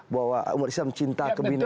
bahwa umat islam cinta kebina